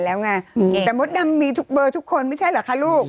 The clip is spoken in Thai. แต่มดดำมีเบอร์ทุกคนไม่ใช่เหรอคะลูก